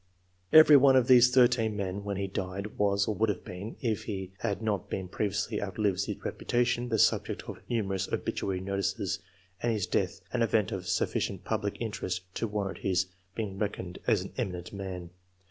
' Every one of these 13 men when he diec was, or would have been, if he had not pr< viously outlived his reputation, the subject < numerous obituary notices, and his death a CA^ent of sufficient public interest to warrant h being reckoned as an '^eminent man.''